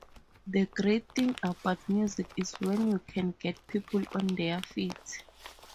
The great thing about music is when you can get people on their feet.